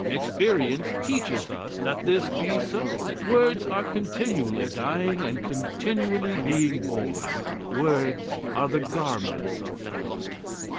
Experience teaches us that this be so; words are continually dying and continually may being born words are the garments of thought.